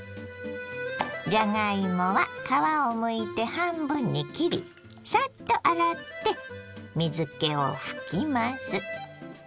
じゃがいもは皮をむいて半分に切りサッと洗って水けを拭きます。